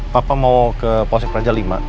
pak mau ke polsek praja lima